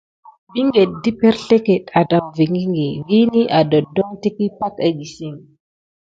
Binkete aɗevingə ɗe perslekidi vini aɗakudon tiki pay édisik.